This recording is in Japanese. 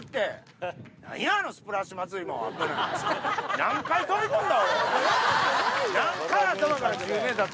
何回飛び込んだ？